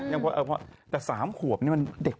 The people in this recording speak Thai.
แต่สามขวบนี่มันเด็กขวบ